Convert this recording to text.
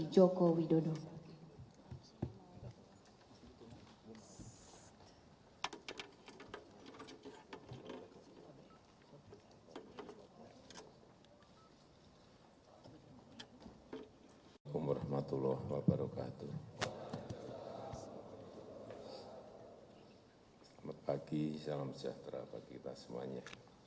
selamat pagi salam sejahtera bagi kita semuanya